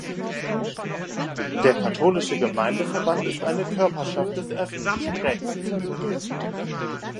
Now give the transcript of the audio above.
Der Katholische Gemeindeverband ist eine Körperschaft des öffentlichen Rechts.